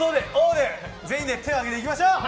で全員で手を上げていきましょう。